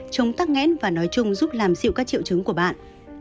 chống tắc nghẽn và nói chung giúp làm dịu các triệu chứng của bạn